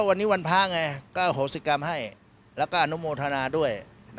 วันนี้วันพระไงก็โหสิกรรมให้แล้วก็อนุโมทนาด้วย